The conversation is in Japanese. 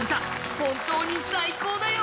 本当に最高だよ。